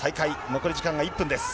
残り時間が１分です。